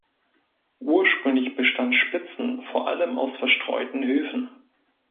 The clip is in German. Ursprünglich bestand Spitzen vor allem aus verstreuten Höfen.